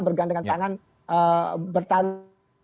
bergandengan tangan bertanding